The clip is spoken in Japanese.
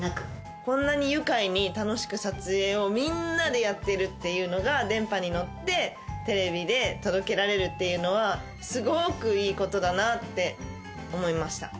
こんなに愉快に楽しく撮影をみんなでやってるっていうのが電波に乗ってテレビで届けられるっていうのはすごくいいことだなって思いました。